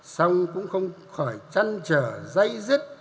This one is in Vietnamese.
song cũng không khỏi trăn trở dây dứt